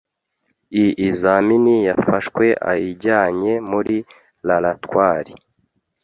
iizamini yafashwe aijyanye muri raratwari